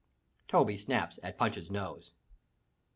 Toby snaps at Punch's nose.